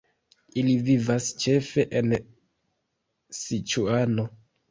Ili vivas ĉefe en Siĉuano.